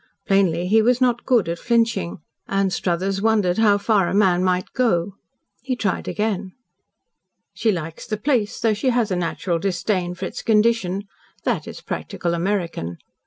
Plainly he was not good at flinching. Anstruthers wondered how far a man might go. He tried again. "She likes the place, though she has a natural disdain for its condition. That is practical American.